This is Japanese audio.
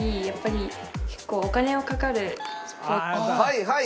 はいはい！